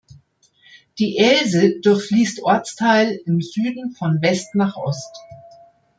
Die Else durchfließt Ortsteil im Süden von West nach Ost.